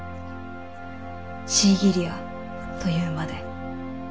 シーギリアという馬で。